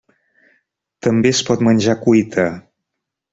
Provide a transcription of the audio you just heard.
També es pot menjar cuita.